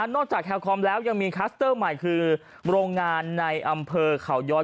จากแคลคอมแล้วยังมีคลัสเตอร์ใหม่คือโรงงานในอำเภอเขาย้อย